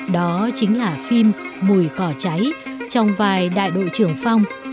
đó chính là phim mùi cỏ cháy trong vài đại đội trưởng phong